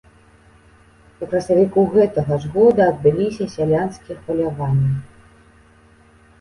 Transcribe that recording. У красавіку гэтага ж года адбыліся сялянскія хваляванні.